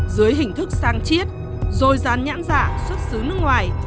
dưới hình thức sang chiết rồi dán nhãn dạ xuất xứ nước ngoài